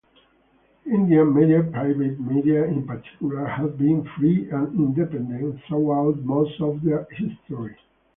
Indian media-private media in particular-have been "free and independent" throughout most of their history.